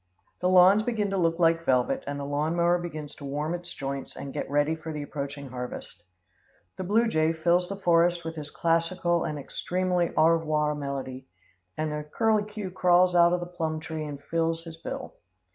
The lawns begin to look like velvet and the lawn mower begins to warm its joints and get ready for the approaching harvest. The blue jay fills the forest with his classical and extremely au revoir melody, and the curculio crawls out of the plum tree and files his bill.